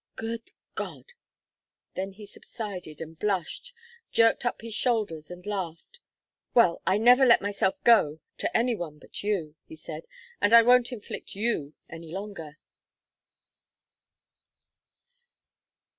Good God!" Then he subsided and blushed, jerked up his shoulders and laughed. "Well I never let myself go to any one but you," he said. "And I won't inflict you any longer."